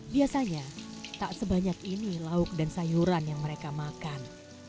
biasanya tak sebanyak ini lauk dan sayuran yang mereka makan